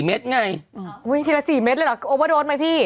เม็ดไงอ๋ออุ้ยทีละสี่เม็ดเลยเหรอโอเวอร์โดสมั้ยพี่